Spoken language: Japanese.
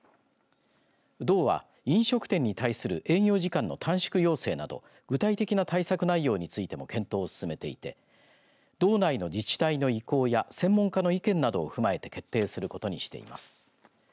道は飲食店に対する営業時間の短縮要請など具体的な対策内容についても検討を進めていて道内の自治体の意向や専門家の意見などを踏まえて決定することにしています。